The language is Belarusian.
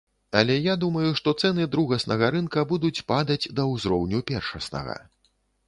Але я думаю, што цэны другаснага рынка будуць падаць да ўзроўню першаснага.